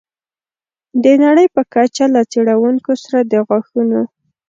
د نړۍ په کچه له څېړونکو سره د غاښونو